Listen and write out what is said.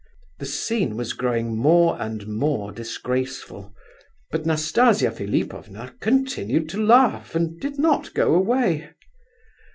The scene was growing more and more disgraceful; but Nastasia Philipovna continued to laugh and did not go away.